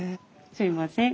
すいません。